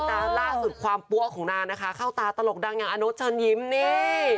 แต่ล่าสุดความปั้วของนางนะคะเข้าตาตลกดังอย่างอาโน๊ตเชิญยิ้มนี่